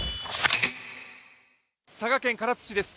佐賀県唐津市です。